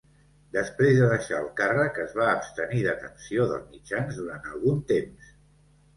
Després de deixar el càrrec es va abstenir d'atenció dels mitjans durant algun temps.